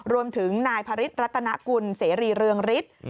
รวมถึงนายพระฤทธรัตนกุลเสรีเรืองฤทธิ์